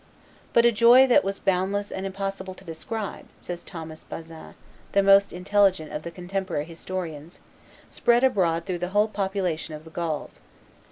"But a joy that was boundless and impossible to describe," says Thomas Bazin, the most intelligent of the contemporary historians, "spread abroad through the whole population of the Gauls.